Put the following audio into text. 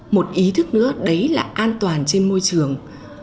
một ý thức nữa đấy là an toàn trên môi trường